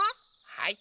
はい。